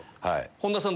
本田さん